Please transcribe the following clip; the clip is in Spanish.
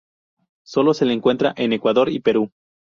Sólo se le encuentra en Ecuador y Perú.